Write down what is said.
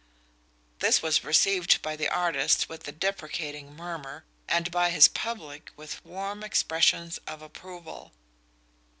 This was received by the artist with a deprecating murmur, and by his public with warm expressions of approval.